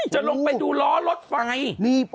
จะลงไปดูล้อรถไฟ